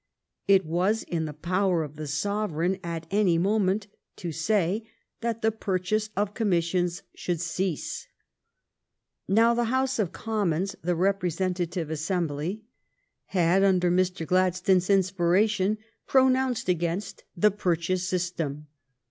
It was in the power of the sovereign at any moment to say that the purchase of commissions should cease. Now, the House of Commons, the Representative NATIONAL EDUCATION; OTHER REFORMS 283 Assembly, had, under Mr. Gladstone s inspiration, pronounced against the purchase system.